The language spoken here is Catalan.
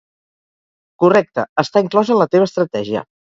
Correcte, està inclòs en la teva estratègia.